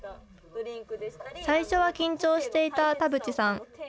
最初は緊張していた田渕さん。